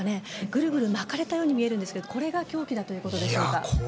ぐるぐる巻かれたように見えるんですけどもこれが凶器だということでしょうか。